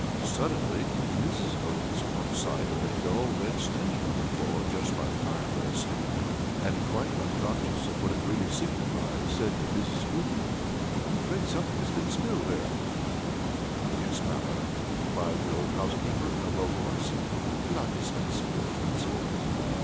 Suddenly Mrs. Otis caught sight of a dull red stain on the floor just by the fireplace, and, quite unconscious of what it really signified, said to Mrs. Umney, "I am afraid something has been spilled there." "Yes, madam," replied the old housekeeper in a low voice, "blood has been spilled on that spot."